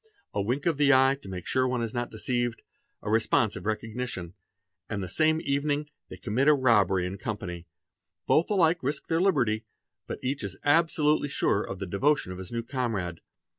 A wink of the eye to make sure one is not deceived, a response of recognition—and the same evening they commit a robbery in company; both alike risk their liberty, but each is absolutely sure of the devotion of his new comrade.